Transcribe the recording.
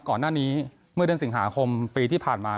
ก่อนหน้านี้เมื่อเดือนสิงหาคมปีที่ผ่านมา